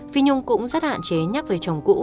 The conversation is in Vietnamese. phi nhung cũng rất hạn chế nhắc về chồng cũ